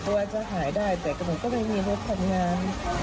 กลัวจะหายได้แต่หนูก็ไม่มีรถขังงาน